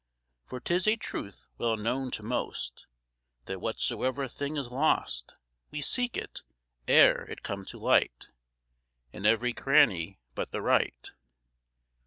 For 'tis a truth well known to most, That whatsoever thing is lost, We seek it, ere it come to light, In every cranny but the right.